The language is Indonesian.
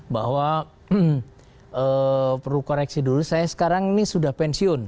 bahwa perlu koreksi dulu saya sekarang ini sudah pensiun